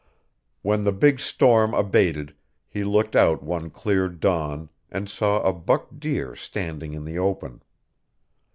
When the big storm abated he looked out one clear dawn and saw a buck deer standing in the open.